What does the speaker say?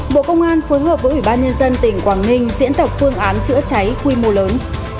bộ công an phối hợp với ủy ban nhân dân tỉnh quảng ninh diễn tập phương án chữa cháy quy mô lớn